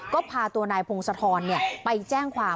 ก็พาตัวนายพงศธรไปแจ้งความ